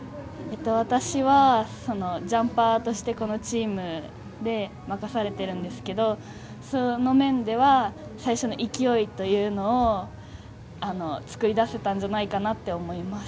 私はジャンパーとして、このチームで任されてるんですけれど、その面では最初の勢いというのをつくり出せたんじゃないかなって思います。